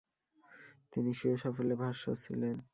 তিনি স্বীয় সাফল্যে ভাস্বর ছিলেন।